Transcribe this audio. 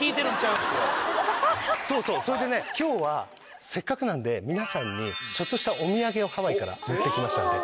そうそうそれでね今日はせっかくなんで皆さんにちょっとしたお土産をハワイから持って来ました。